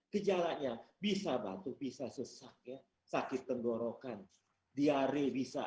gejalanya bisa bantuk bisa sesak sakit tenggorokan diare bisa